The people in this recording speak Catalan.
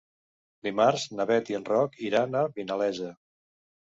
Dimarts na Bet i en Roc iran a Vinalesa.